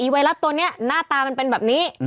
ไวรัสตัวนี้หน้าตามันเป็นแบบนี้